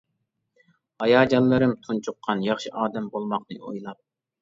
ھاياجانلىرىم تۇنجۇققان، ياخشى ئادەم بولماقنى ئويلاپ.